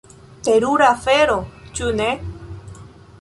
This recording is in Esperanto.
Terura afero, ĉu ne?